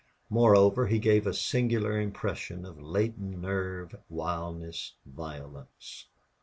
Moreover, he gave a singular impression of latent nerve, wildness, violence.